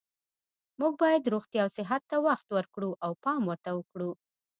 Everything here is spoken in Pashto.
موږ باید روغتیا او صحت ته وخت ورکړو او پام ورته کړو